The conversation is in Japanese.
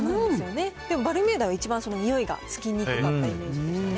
でもバルミューダが、一番そのにおいがつきにくかったイメージでしたね。